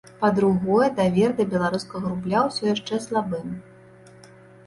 Па-другое, давер да беларускага рубля ўсё яшчэ слабы.